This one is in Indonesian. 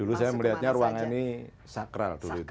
dulu saya melihatnya ruang ini sakral